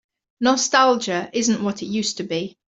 Nostalgia isn't what it used to be.